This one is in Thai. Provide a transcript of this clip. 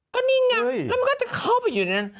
ก็นี่ไงแล้วมันก็จะเข้าไปอยู่ในนั้น